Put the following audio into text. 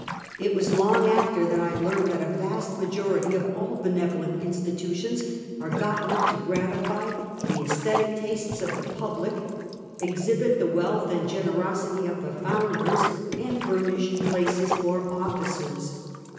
It was long after that I learned that a vast majority of all benevolent institutions are gotten up to gratify the asthetic tastes of the public; exhibit the wealth and generosity of the founders, and furnish places for officers.